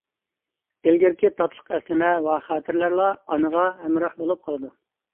ئىلگىرىكى تاتلىق ئەسلىمە ۋە خاتىرىلەرلا ئانىغا ھەمراھ بولۇپ قالىدۇ.